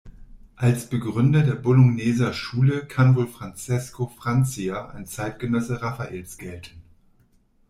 Als Begründer der Bologneser Schule kann wohl Francesco Francia, ein Zeitgenosse Raffaels gelten.